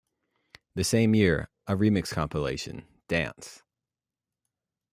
The same year, a remix compilation, Dance!